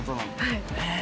はい。